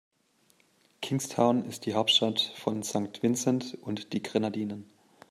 Kingstown ist die Hauptstadt von St. Vincent und die Grenadinen.